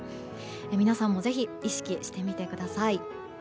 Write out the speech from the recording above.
皆さんもぜひ意識してみてください。